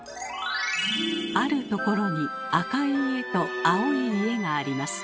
あるところに赤い家と青い家があります。